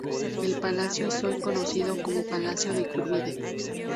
El palacio es hoy conocido como Palacio de Iturbide.